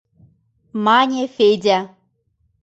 — мане Федя.